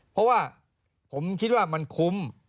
เพราะว่าผมคิดว่ามันคุ้ม